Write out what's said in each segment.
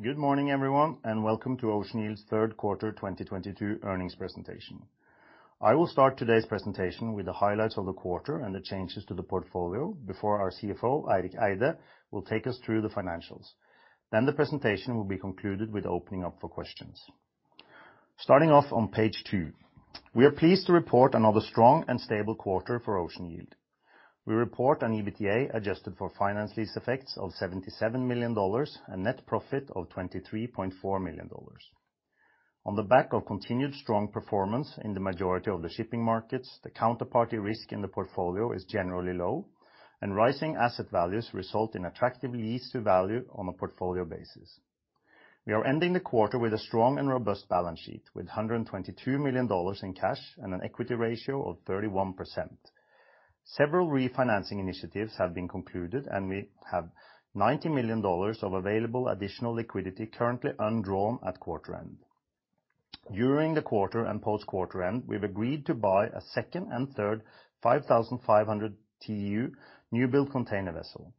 Good morning, everyone, and welcome to Ocean Yield's third quarter 2022 earnings presentation. I will start today's presentation with the highlights of the quarter and the changes to the portfolio before our CFO, Eirik Eide, will take us through the financials. The presentation will be concluded with opening up for questions. Starting off on page 2, we are pleased to report another strong and stable quarter for Ocean Yield. We report an EBITDA adjusted for finance lease effects of $77 million and net profit of $23.4 million. On the back of continued strong performance in the majority of the shipping markets, the counterparty risk in the portfolio is generally low, and rising asset values result in attractive lease to value on a portfolio basis. We are ending the quarter with a strong and robust balance sheet, with $122 million in cash and an equity ratio of 31%. Several refinancing initiatives have been concluded, and we have $90 million of available additional liquidity currently undrawn at quarter end. During the quarter and post-quarter end, we've agreed to buy a second and third 5,500 TEU new-build container vessel.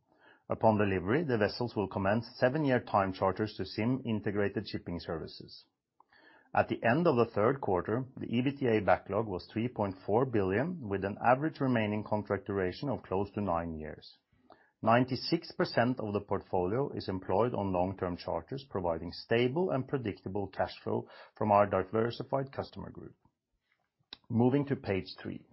Upon delivery, the vessels will commence seven-year time charters to ZIM Integrated Shipping Services. At the end of the third quarter, the EBITDA backlog was $3.4 billion, with an average remaining contract duration of close to nine years. 96% of the portfolio is employed on long-term charters, providing stable and predictable cash flow from our diversified customer group. Moving to page 3.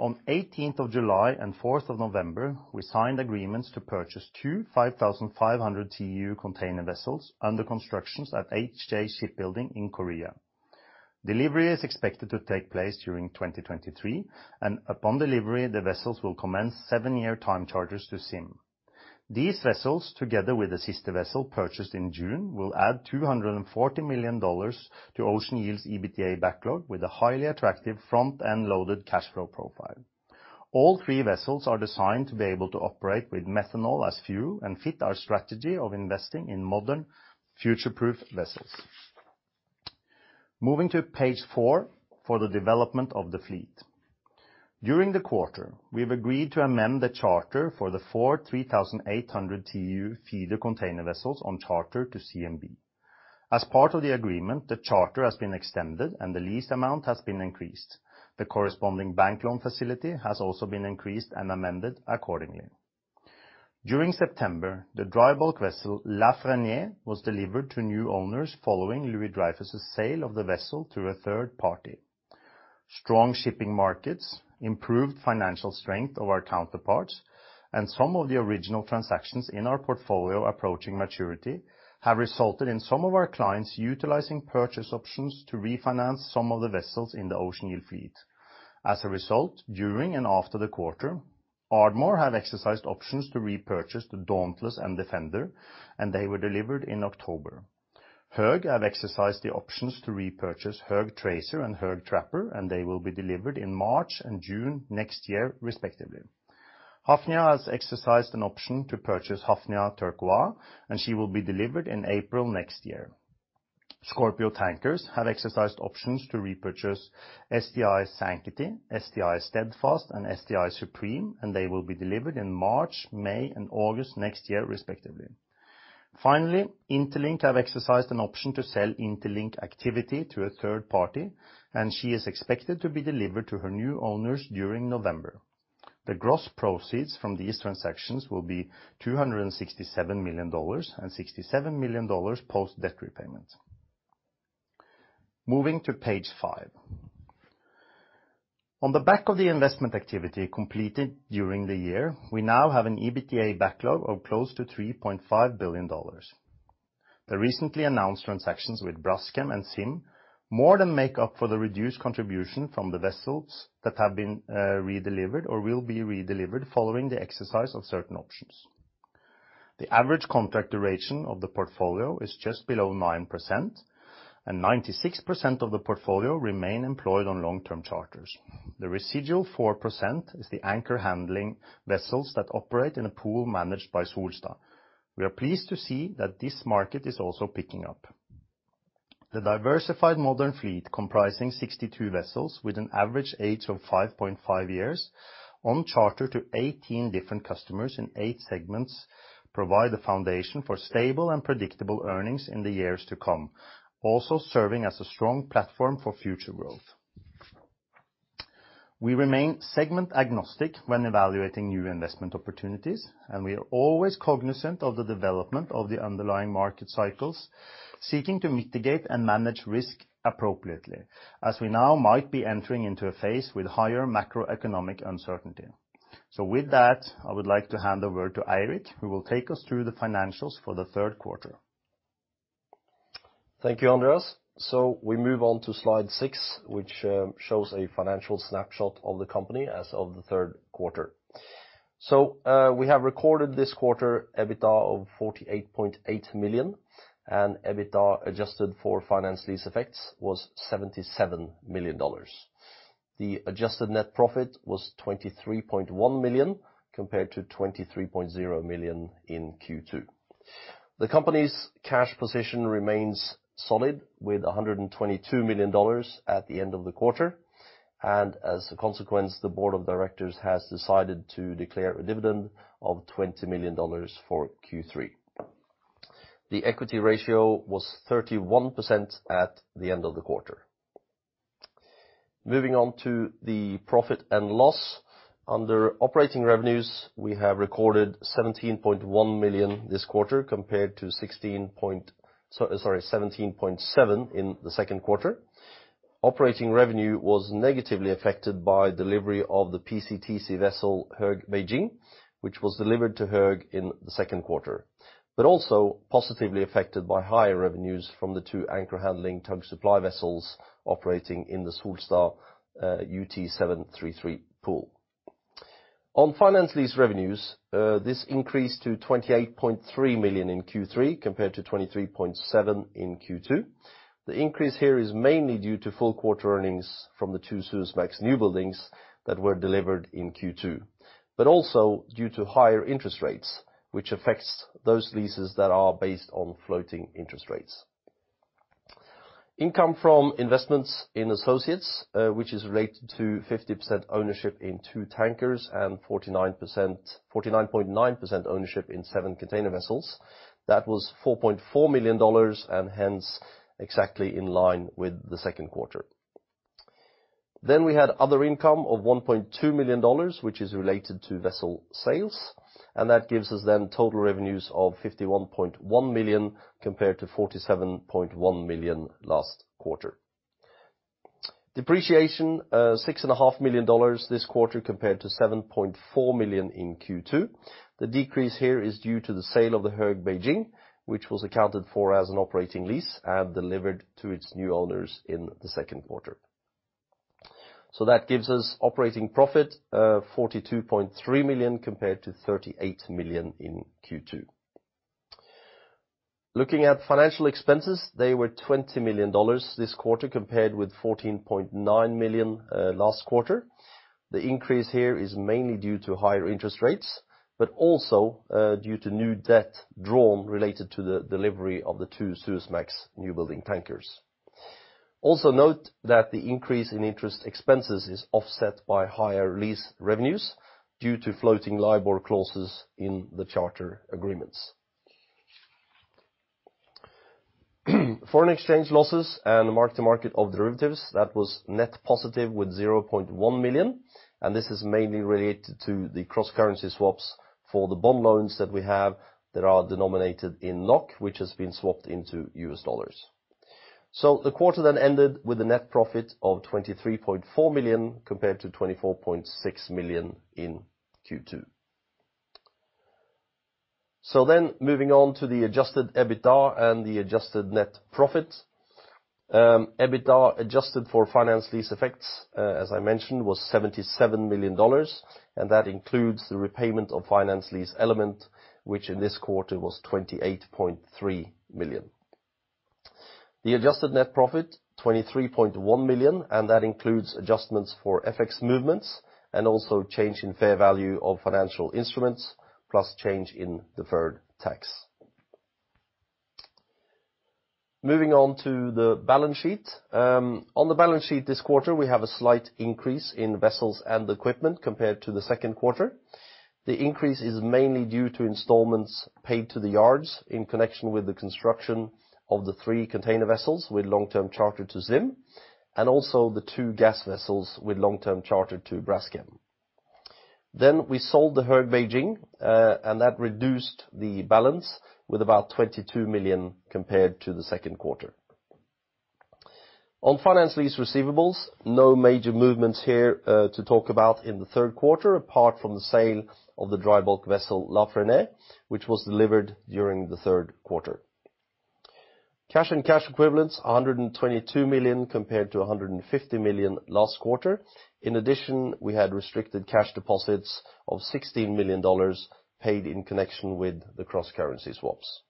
On 18th of July and fourth of November, we signed agreements to purchase two 5,500 TEU container vessels under constructions at HJ Shipbuilding in Korea. Delivery is expected to take place during 2023. Upon delivery, the vessels will commence seven-year time charters to ZIM. These vessels, together with the sister vessel purchased in June, will add $240 million to Ocean Yield's EBITDA backlog with a highly attractive front-end loaded cash flow profile. All three vessels are designed to be able to operate with methanol as fuel and fit our strategy of investing in modern future-proof vessels. Moving to page four for the development of the fleet. During the quarter, we have agreed to amend the charter for the four 3,800 TEU feeder container vessels on charter to CMB. As part of the agreement, the charter has been extended, and the lease amount has been increased. The corresponding bank loan facility has also been increased and amended accordingly. During September, the dry bulk vessel La Fresnais was delivered to new owners following Louis Dreyfus' sale of the vessel to a third party. Strong shipping markets, improved financial strength of our counterparts, and some of the original transactions in our portfolio approaching maturity have resulted in some of our clients utilizing purchase options to refinance some of the vessels in the Ocean Yield fleet. As a result, during and after the quarter, Ardmore have exercised options to repurchase The Dauntless and Defender, and they were delivered in October. Höegh have exercised the options to repurchase Höegh Tracer and Höegh Trapper, and they will be delivered in March and June next year, respectively. Hafnia has exercised an option to purchase Hafnia Turquoise, and she will be delivered in April next year. Scorpio Tankers have exercised options to repurchase STI Sanctity, STI Steadfast, and STI Supreme, and they will be delivered in March, May, and August next year, respectively. Interlink have exercised an option to sell Interlink Activity to a third party, and she is expected to be delivered to her new owners during November. The gross proceeds from these transactions will be $267 million and $67 million post-debt repayment. Moving to page five. On the back of the investment activity completed during the year, we now have an EBITDA backlog of close to $3.5 billion. The recently announced transactions with Braskem and ZIM more than make up for the reduced contribution from the vessels that have been redelivered or will be redelivered following the exercise of certain options. The average contract duration of the portfolio is just below 9%, and 96% of the portfolio remain employed on long-term charters. The residual 4% is the anchor handling vessels that operate in a pool managed by Solstad. We are pleased to see that this market is also picking up. The diversified modern fleet comprising 62 vessels with an average age of 5.5 years on charter to 18 different customers in eight segments provide the foundation for stable and predictable earnings in the years to come, also serving as a strong platform for future growth. We remain segment agnostic when evaluating new investment opportunities, and we are always cognizant of the development of the underlying market cycles, seeking to mitigate and manage risk appropriately as we now might be entering into a phase with higher macroeconomic uncertainty. With that, I would like to hand over to Eirik, who will take us through the financials for the third quarter. Thank you, Andreas. We move on to slide 6, which shows a financial snapshot of the company as of the third quarter. We have recorded this quarter EBITDA of $48.8 million, and EBITDA adjusted for finance lease effects was $77 million. The adjusted net profit was $23.1 million compared to $23.0 million in Q2. The company's cash position remains solid, with $122 million at the end of the quarter. As a consequence, the board of directors has decided to declare a dividend of $20 million for Q3. The equity ratio was 31% at the end of the quarter. Moving on to the profit and loss. Under operating revenues, we have recorded $17.1 million this quarter compared to $17.7 in the second quarter. Operating revenue was negatively affected by delivery of the PCTC vessel Höegh Beijing, which was delivered to Höegh in the second quarter. Also positively affected by higher revenues from the two anchor handling tug supply vessels operating in the Solstad UT 733 pool. On finance lease revenues, this increased to $28.3 million in Q3 compared to $23.7 in Q2. The increase here is mainly due to full quarter earnings from the two Suezmax newbuildings that were delivered in Q2, also due to higher interest rates, which affects those leases that are based on floating interest rates. Income from investments in associates, which is related to 50% ownership in two tankers and 49%, 49.9% ownership in seven container vessels. That was $4.4 million, hence, exactly in line with the second quarter. We had other income of $1.2 million, which is related to vessel sales, and that gives us total revenues of $51.1 million compared to $47.1 million last quarter. Depreciation, $6.5 million this quarter compared to $7.4 million in Q2. The decrease here is due to the sale of the Höegh Beijing, which was accounted for as an operating lease and delivered to its new owners in the second quarter. That gives us operating profit, $42.3 million compared to $38 million in Q2. Looking at financial expenses, they were $20 million this quarter compared with $14.9 million last quarter. The increase here is mainly due to higher interest rates, but also due to new debt drawn related to the delivery of the two Suezmax new building tankers. Also note that the increase in interest expenses is offset by higher lease revenues due to floating Libor clauses in the charter agreements. Foreign exchange losses and mark to market of derivatives, that was net positive with $0.1 million, and this is mainly related to the cross-currency swaps for the bond loans that we have that are denominated in NOK, which has been swapped into US dollars. The quarter ended with a net profit of $23.4 million compared to $24.6 million in Q2. Moving on to the adjusted EBITDA and the adjusted net profit. EBITDA, adjusted for finance lease effects, as I mentioned, was $77 million, and that includes the repayment of finance lease element which in this quarter was $28.3 million. The adjusted net profit, $23.1 million, that includes adju stments for FX movements and also change in fair value of financial instruments, plus change in deferred tax. Moving on to the balance sheet. On the balance sheet this quarter, we have a slight increase in vessels and equipment compared to the second quarter. The increase is mainly due to installments paid to the yards in connection with the construction of the three container vessels with long-term charter to ZIM and also the two gas vessels with long-term charter to Braskem. We sold the Höegh Beijing, that reduced the balance with about $22 million compared to the second quarter. On finance lease receivables, no major movements here, to talk about in the third quarter apart from the sale of the dry bulk vessel La Fresnais, which was delivered during the third quarter. Cash and cash equivalents, $122 million compared to $150 million last quarter. In addition, we had restricted cash deposits of $16 million paid in connection with the cross-currency swaps.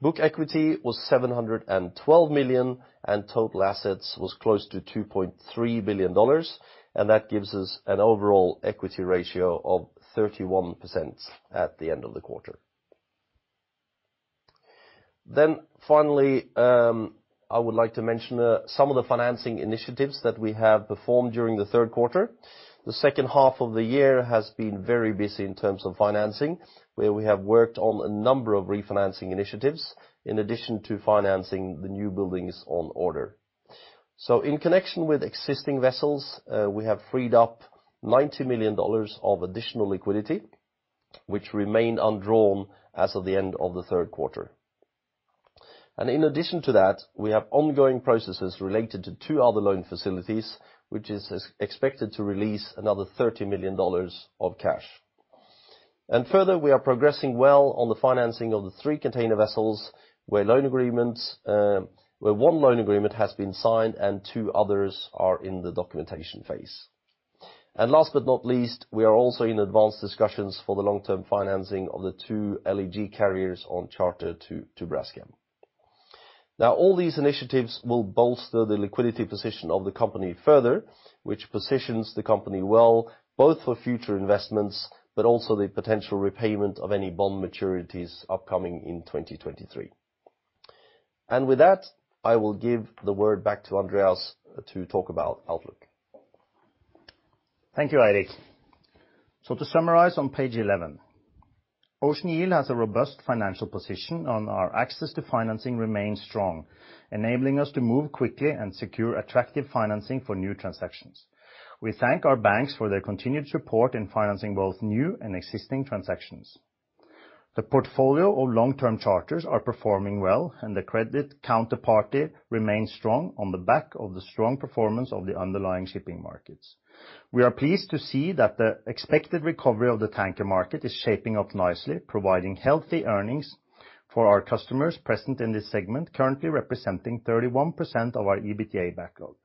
Book equity was $712 million, and total assets was close to $2.3 billion, and that gives us an overall equity ratio of 31% at the end of the quarter. Finally, I would like to mention, some of the financing initiatives that we have performed during the third quarter. The second half of the year has been very busy in terms of financing, where we have worked on a number of refinancing initiatives in addition to financing the new buildings on order. In connection with existing vessels, we have freed up $90 million of additional liquidity, which remained undrawn as of the end of the third quarter. In addition to that, we have ongoing processes related to two other loan facilities, which is expected to release another $30 million of cash. Further, we are progressing well on the financing of the three container vessels, where one loan agreement has been signed and two others are in the documentation phase. Last but not least, we are also in advanced discussions for the long-term financing of the two LEG carriers on charter to Braskem. All these initiatives will bolster the liquidity position of the company further, which positions the company well, both for future investments, but also the potential repayment of any bond maturities upcoming in 2023. With that, I will give the word back to Andreas to talk about outlook. Thank you, Eirik. To summarize on page 11, Ocean Yield has a robust financial position and our access to financing remains strong, enabling us to move quickly and secure attractive financing for new transactions. We thank our banks for their continued support in financing both new and existing transactions. The portfolio of long-term charters are performing well and the credit counterparty remains strong on the back of the strong performance of the underlying shipping markets. We are pleased to see that the expected recovery of the tanker market is shaping up nicely, providing healthy earnings for our customers present in this segment, currently representing 31% of our EBITDA backlog.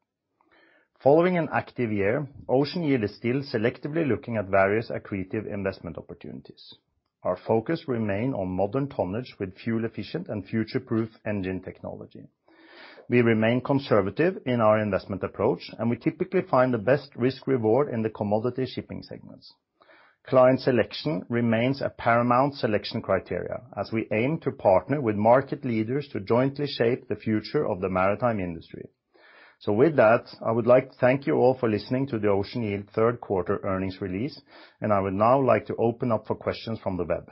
Following an active year, Ocean Yield is still selectively looking at various accretive investment opportunities. Our focus remain on modern tonnage with fuel efficient and future-proof engine technology. We remain conservative in our investment approach, and we typically find the best risk reward in the commodity shipping segments. Client selection remains a paramount selection criteria as we aim to partner with market leaders to jointly shape the future of the maritime industry. With that, I would like to thank you all for listening to the Ocean Yield third quarter earnings release. I would now like to open up for questions from the web.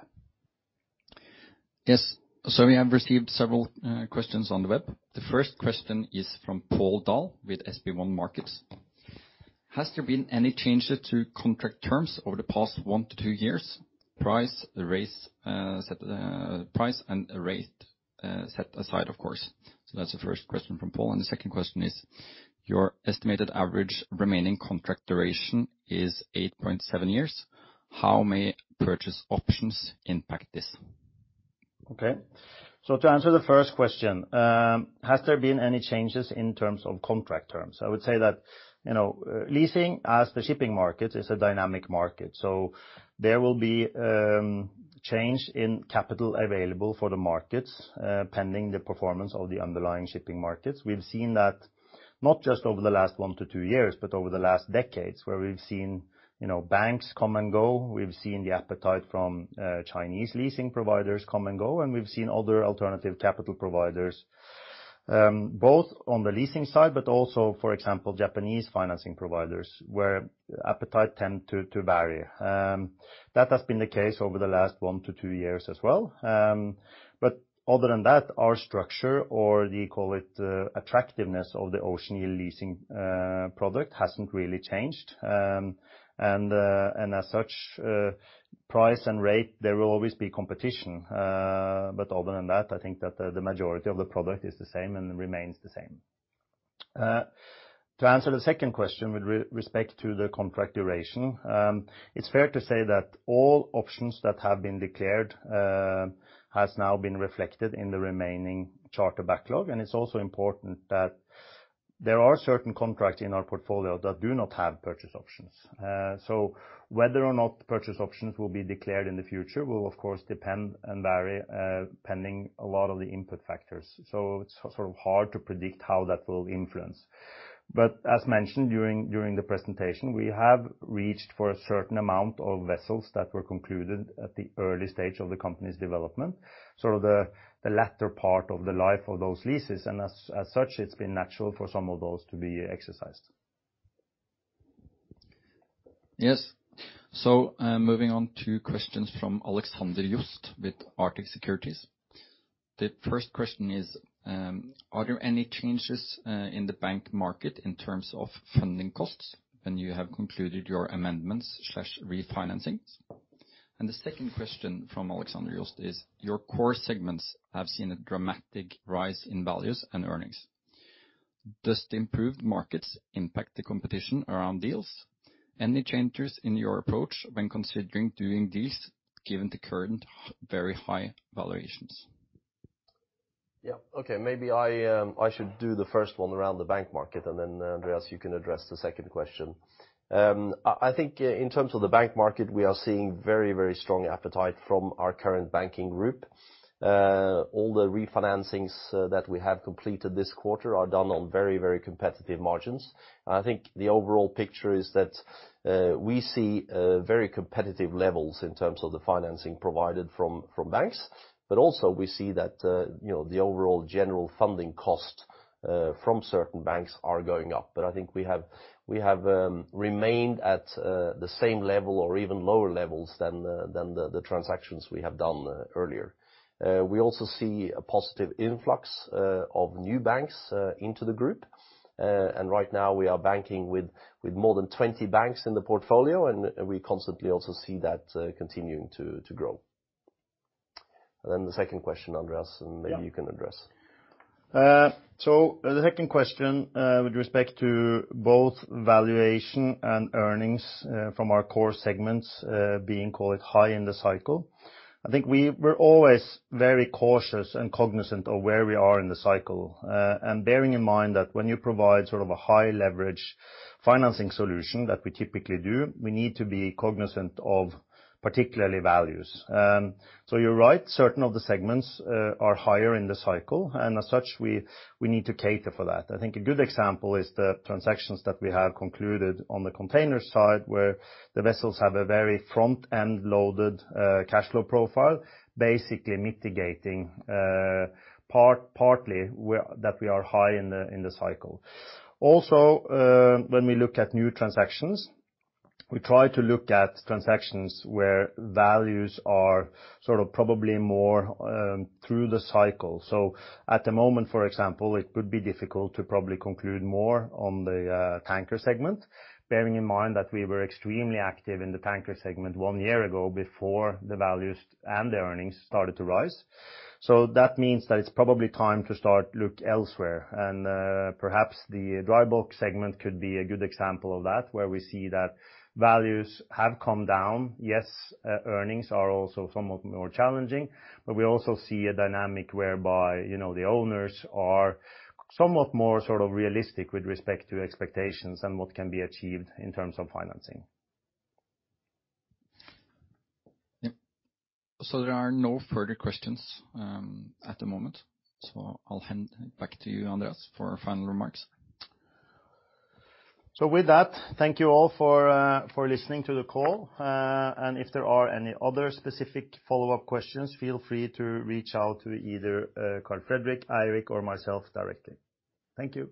Yes. We have received several questions on the web. The first question is from Pål Dahl with SB1 Markets. Has there been any changes to contract terms over the past one to two years, price, rates, set, price and rate, set aside, of course. That's the first question from Pål. The second question is, your estimated average remaining contract duration is 8.7 years. How may purchase options impact this? To answer the first question, has there been any changes in terms of contract terms? I would say that, you know, leasing as the shipping market is a dynamic market. There will be change in capital available for the markets, pending the performance of the underlying shipping markets. We've seen that not just over the last one to two years, but over the last decades, where we've seen, you know, banks come and go. We've seen the appetite from Chinese leasing providers come and go, and we've seen other alternative capital providers, both on the leasing side, but also, for example, Japanese financing providers, where appetite tend to vary. That has been the case over the last one to two years as well. Other than that, our structure, or do you call it attractiveness of the Ocean Yield leasing product, hasn't really changed. As such, price and rate, there will always be competition. Other than that, I think that the majority of the product is the same and remains the same. To answer the second question with respect to the contract duration, it's fair to say that all options that have been declared has now been reflected in the remaining charter backlog. It's also important that there are certain contracts in our portfolio that do not have purchase options. Whether or not purchase options will be declared in the future will of course depend and vary pending a lot of the input factors. It's sort of hard to predict how that will influence. As mentioned during the presentation, we have reached for a certain amount of vessels that were concluded at the early stage of the company's development, sort of the latter part of the life of those leases. As such, it's been natural for some of those to be exercised. Yes. Moving on to questions from Alexander Jost with Arctic Securities. The first question is, are there any changes in the bank market in terms of funding costs when you have concluded your amendments slash refinancings? The second question from Alexander Jost is, your core segments have seen a dramatic rise in values and earnings. Does the improved markets impact the competition around deals? Any changes in your approach when considering doing deals given the current very high valuations? Yeah. Okay. Maybe I should do the first one around the bank market. Then Andreas, you can address the second question. I think in terms of the bank market, we are seeing very, very strong appetite from our current banking group. All the refinancings that we have completed this quarter are done on very, very competitive margins. I think the overall picture is that we see very competitive levels in terms of the financing provided from banks. Also we see that, you know, the overall general funding cost from certain banks are going up. I think we have remained at the same level or even lower levels than the transactions we have done earlier. We also see a positive influx of new banks into the group. Right now we are banking with more than 20 banks in the portfolio, and we constantly also see that continuing to grow. The second question, Andreas. Yeah. Maybe you can address. So, regarding the question with respect to both valuation and earnings from our core segments being, call it, high in the cycle. I think we're always very cautious and cognizant of where we are in the cycle. Bearing in mind that when you provide sort of a high leverage financing solution that we typically do, we need to be cognizant of particularly values. You're right, certain of the segments are higher in the cycle, and as such, we need to cater for that. I think a good example is the transactions that we have concluded on the container side, where the vessels have a very front-end loaded cash flow profile, basically mitigating partly that we are high in the cycle. When we look at new transactions, we try to look at transactions where values are sort of probably more through the cycle. At the moment, for example, it could be difficult to probably conclude more on the tanker segment, bearing in mind that we were extremely active in the tanker segment one year ago before the values and the earnings started to rise. That means that it's probably time to start look elsewhere. Perhaps the dry bulk segment could be a good example of that, where we see that values have come down. Yes, earnings are also somewhat more challenging. We also see a dynamic whereby, you know, the owners are somewhat more sort of realistic with respect to expectations and what can be achieved in terms of financing. Yeah. There are no further questions at the moment. I'll hand it back to you, Andreas, for final remarks. With that, thank you all for listening to the call. If there are any other specific follow-up questions, feel free to reach out to either, Karl Fredrik, Eirik, or myself directly. Thank you.